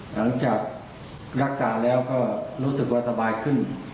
หลังจากรักษาแล้วก็รู้สึกว่าสบายขึ้น